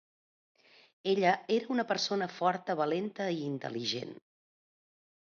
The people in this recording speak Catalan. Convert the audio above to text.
Ella era una persona forta, valenta i intel·ligent.